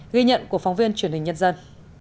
ghi nhận của phóng viên truyền hình nhật dân